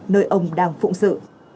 nơi ông đang phụng sự